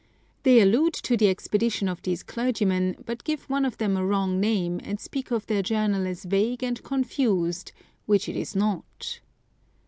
They allude to the expedition of these clergymen, but give one of them a wrong name, and speak of their journal as vague and confused, which it is not.